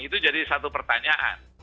itu jadi satu pertanyaan